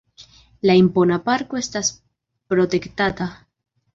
La impona parko estas protektata.